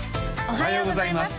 おはようございます